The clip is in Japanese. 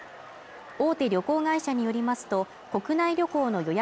大手旅行会社によりますと国内旅行の予約